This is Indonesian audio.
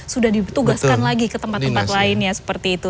sudah ditugaskan lagi ke tempat tempat lainnya seperti itu